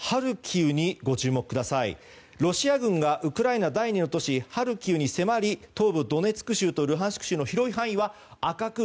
ウクライナ軍がウクライナの第２の都市、ハルキウに迫り東部ドネツク州とルハンシク州の広い範囲は赤く